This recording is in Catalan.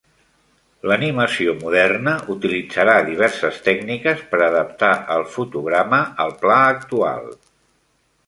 L'animació moderna utilitzarà diverses tècniques per adaptar el fotograma al pla actual.